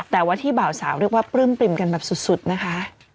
แต่ว่าที่บ่าวสาวเรียกว่าปลื้มปริ่มกันแบบสุดนะคะ